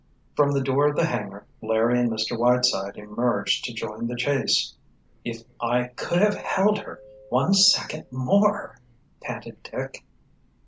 From the door of the hangar Larry and Mr. Whiteside emerged to join the chase. "If I could have held her one second more!—" panted Dick.